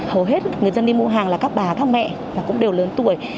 hầu hết người dân đi mua hàng là các bà các mẹ cũng đều lớn tuổi